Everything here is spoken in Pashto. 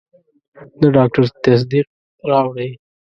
د ډاکټر تصدیق راوړئ.